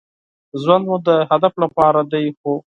ژوند مو د هدف لپاره دی ،خو